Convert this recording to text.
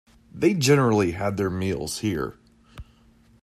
They generally had their meals here.